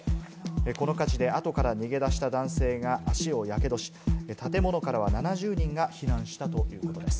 この火事で、後から逃げ出した男性が足をやけどし、建物からは７０人が避難したということです。